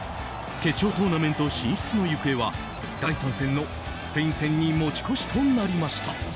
決勝トーナメント進出の行方は第３戦のスペイン戦に持ち越しとなりました。